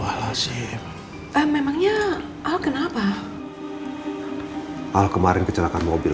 hai al kemarin kecelakaan mobil